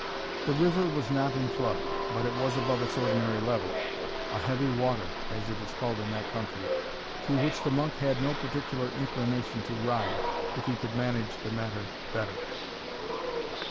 The river was not in flood, but it was above its ordinary level a heavy water, as it is called in that country, through which the monk had no particular inclination to ride, if he could manage the matter better.